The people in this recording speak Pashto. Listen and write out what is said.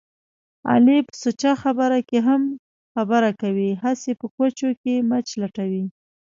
علي په سوچه خبره کې هم خبره کوي. هسې په کوچو کې مچ لټوي.